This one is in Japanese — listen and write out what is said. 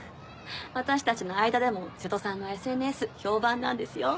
私たちの間でも瀬戸さんのＳＮＳ評判なんですよ。